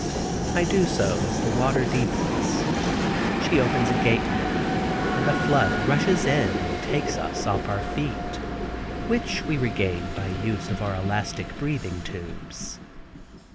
I do so, as the water deepens. She opens a gate now, and a flood rushes in, and takes us off our feet, which we regain by use of our elastic breathing tubes.